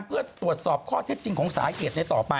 เพื่อตรวจสอบข้อเท็จจริงของสาเหตุในต่อไป